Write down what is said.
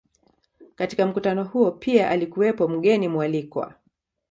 Katika mkutano huo pia alikuwepo mgeni mwalikwa